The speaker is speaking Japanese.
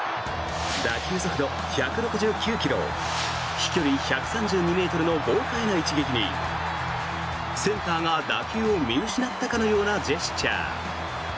打球速度１６９ｋｍ飛距離１３２ｍの豪快な一撃に、センターが打球を見失ったかのようなジェスチャー。